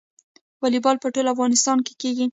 والیبال په ټول افغانستان کې کیږي.